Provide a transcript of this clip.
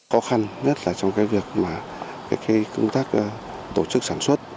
khó khăn nhất là trong cái việc mà công tác tổ chức sản xuất